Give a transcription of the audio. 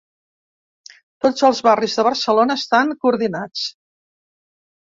Tots els barris de Barcelona estan coordinats.